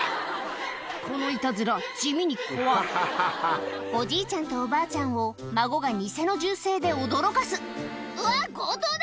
このいたずら地味に怖いおじいちゃんとおばあちゃんを孫が偽の銃声で驚かす「うわ強盗だ！」